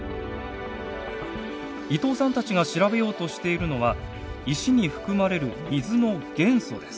伊藤さんたちが調べようとしているのは石に含まれる水の元素です。